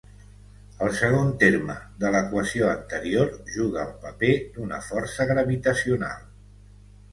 El segon terme de l'equació anterior juga el paper d'una força gravitacional.